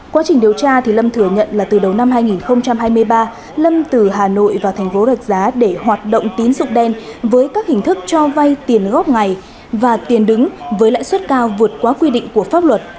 quá trình điều tra lâm thừa nhận là từ đầu năm hai nghìn hai mươi ba lâm từ hà nội vào thành phố rạch giá để hoạt động tín dụng đen với các hình thức cho vay tiền góp ngày và tiền đứng với lãi suất cao vượt quá quy định của pháp luật